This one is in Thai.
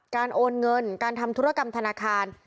โอนเงินการทำธุรกรรมธนาคาร